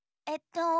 えっと。